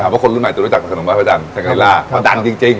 นะครับว่าคนรุ่นใหม่จะรู้จักขนมไว้พระจันทร์ชะเกลล่าว่าดังจริงจริง